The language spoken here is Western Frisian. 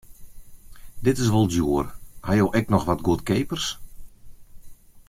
Dit is wol djoer, ha jo ek noch wat goedkeapers?